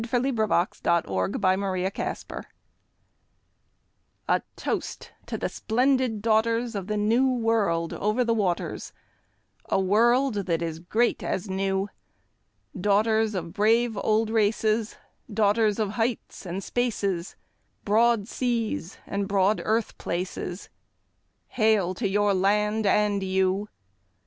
TO THE WOMEN OF AUSTRALIA A toast to the splendid daughters Of the New World over the waters, A world that is great as new; Daughters of brave old races, Daughters of heights and spaces, Broad seas and broad earth places— Hail to your land and you!